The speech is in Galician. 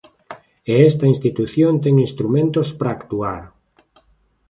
E esta institución ten instrumentos para actuar.